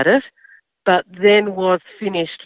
tapi kemudian diakhiri oleh